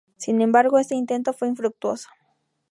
Sin embargo, este intento fue infructuoso.